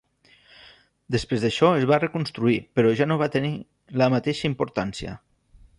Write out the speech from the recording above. Després d'això es va reconstruir però ja no va tenir la mateixa importància.